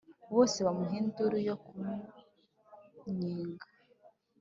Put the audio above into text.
bose bamuha induru yo kumunnyega.